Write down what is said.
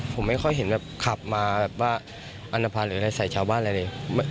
ผมไม่ค่อยเห็นแบบขับมาแบบว่าอันตภัณฑ์หรืออะไรใส่ชาวบ้านอะไรเลย